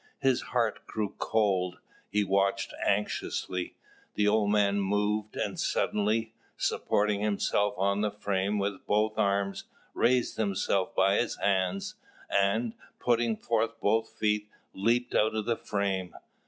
His heart grew cold. He watched anxiously; the old man moved, and suddenly, supporting himself on the frame with both arms, raised himself by his hands, and, putting forth both feet, leapt out of the frame.